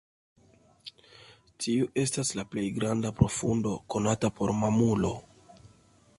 Tiu estis la plej granda profundo konata por mamulo.